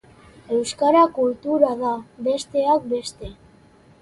Euskara kultura da, besteak beste.